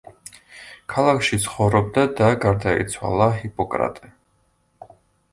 ქალაქში ცხოვრობდა და გარდაიცვალა ჰიპოკრატე.